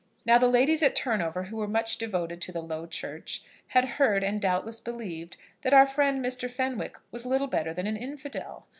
Now the ladies at Turnover, who were much devoted to the Low Church, had heard and doubtless believed, that our friend, Mr. Fenwick, was little better than an infidel.